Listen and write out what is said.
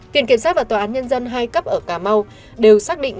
kiện kiểm soát và tòa án nhân dân hai cấp ở cà mau đều xác định